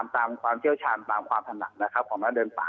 ตามความเชี่ยวชาญตามความถนัดของนักเดินป่า